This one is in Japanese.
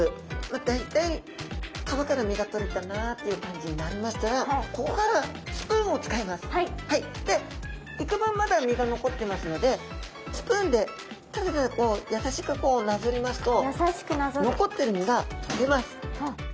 大体皮から身がとれたなっていう感じになりましたらここからでいくぶんまだ身が残ってますのでスプーンでただただ優しくこうなぞりますと残ってる身がとれます。